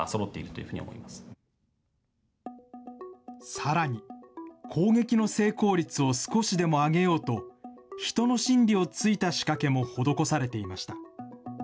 さらに、攻撃の成功率を少しでも上げようと、人の心理を突いた仕掛けも施されていました。